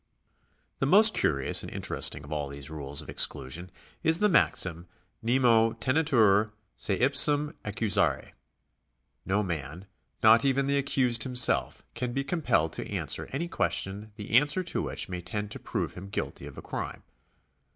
The most curious and interesting of all these rules of exclusion is the maxim. Nemo tejietur se ipsum accusare. No man, not even the accused himself, can be compelled to answer any question the answer to which may tend to prove him guilty of a crime.